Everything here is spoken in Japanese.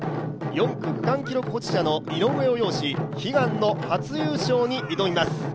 ４区区間記録保持者の井上を擁し悲願の初優勝に挑みます。